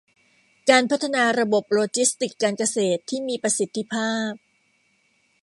การพัฒนาระบบโลจิสติกส์การเกษตรที่มีประสิทธิภาพ